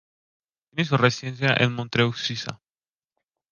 Tiene su residencia en Montreux, Suiza.